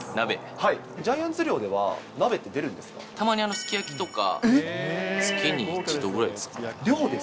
ジャイアンツ寮では、鍋ってたまにすき焼きとか、月に１度ぐらいですかね。